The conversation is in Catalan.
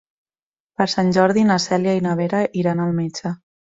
Per Sant Jordi na Cèlia i na Vera iran al metge.